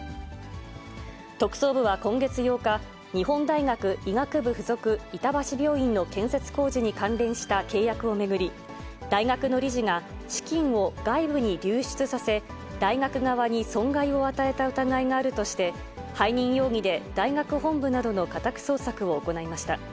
特捜部は今月８日、日本大学医学部付属板橋病院の建設工事に関連した契約を巡り、大学の理事が資金を外部に流出させ、大学側に損害を与えた疑いがあるとして、背任容疑で大学本部などの家宅捜索を行いました。